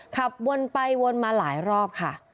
ขับวนไปวนมาหลายรอบค่ะ